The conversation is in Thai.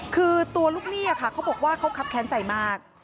คือตัวลูกหนี้ค่ะเขาบอกว่าเขาคับแค้นใจมาก